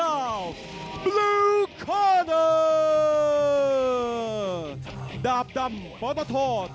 มุมแดงและมุมน้ำเงินรับไปเล่นการรับวันไฟเตอร์คนละ๕๐๐๐บาท